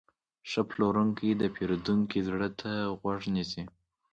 ښه پلورونکی د پیرودونکي زړه ته غوږ نیسي.